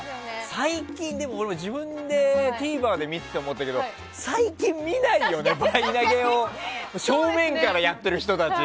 最近、自分でＴＶｅｒで見てて思ったけど最近見ないよね、パイ投げを正面からやってる人たち。